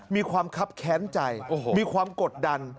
มีความคับแค้นใจมีความกดดัน